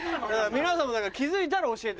皆さんもだから気付いたら教えて。